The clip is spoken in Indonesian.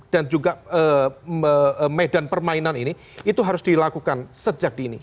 dan juga medan permainan ini itu harus dilakukan sejak dini